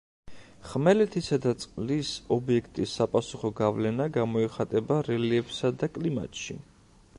ხმელეთისა და წყლის ობიექტის საპასუხო გავლენა გამოიხატება რელიეფსა და კლიმატში.